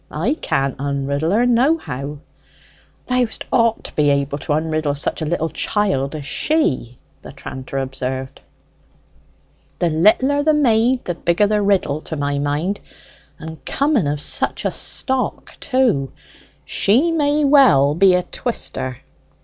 I can't onriddle her, nohow." "Thou'st ought to be able to onriddle such a little chiel as she," the tranter observed. "The littler the maid, the bigger the riddle, to my mind. And coming of such a stock, too, she may well be a twister."